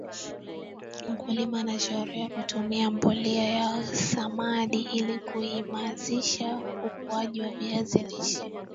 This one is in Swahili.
mkulima anashauriwa kutumia mbolea ya samdi ili kuimazisha ukuaji wa viazi lishe